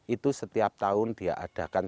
itu setiap tahun dia adakan